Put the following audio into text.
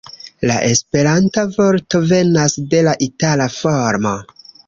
La Esperanta vorto venas de la itala formo.